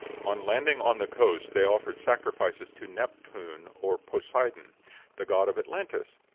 On landing on the coast they offered sacrifices to Neptune or Poseidon" the god of Atlantis.